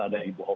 ada ibu hopi